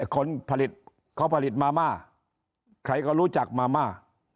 คนผลิตเขาผลิตมาม่าใครก็รู้จักมาม่า